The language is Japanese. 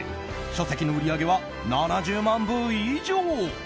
書籍の売り上げは７０万部以上。